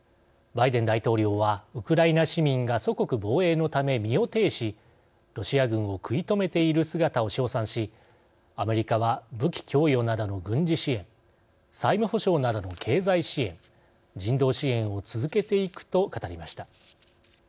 バイデン大統領はウクライナ市民が祖国防衛のため身をていし、ロシア軍を食い止めている姿を称賛しアメリカは武器供与などの軍事支援債務保証などの経済支援人道支援を続けていくと語りました。